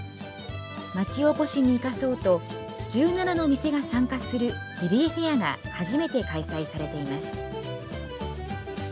町おこしに生かそうと１７の店が参加するジビエフェアが初めて開催されています。